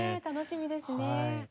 楽しみですね。